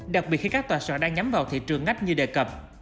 đặc biệt khi các tòa soạn đang nhắm vào thị trường ngách như đề cập